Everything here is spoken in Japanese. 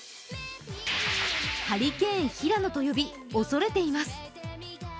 ハリケーン・ヒラノと呼び、恐れています。